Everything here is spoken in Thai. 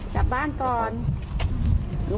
ใช่